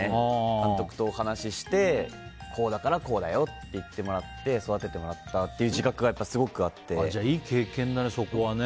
監督とお話ししてこうだからこうだよって言ってもらって育ててもらったという自覚がいい経験だね、そこは。